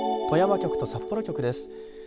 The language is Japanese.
富山局と札幌局です。